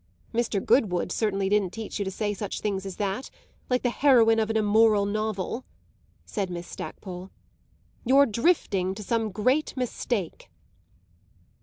"Mr. Goodwood certainly didn't teach you to say such things as that like the heroine of an immoral novel," said Miss Stackpole. "You're drifting to some great mistake."